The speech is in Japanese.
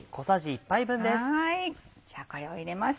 じゃあこれを入れます。